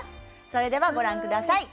それでは、ご覧ください。